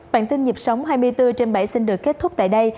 bản tin nhịp sống hai mươi bốn trên bảy xin được kết thúc tại đây